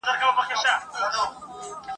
باسواده مور کورنۍ ته ثبات ورکوي.